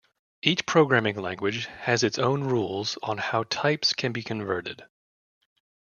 Each programming language has its own rules on how types can be converted.